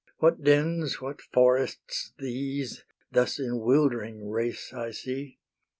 What dens, what forests these, Thus in wildering race I see?